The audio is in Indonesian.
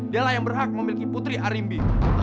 dia yang berhak memiliki putri harimbi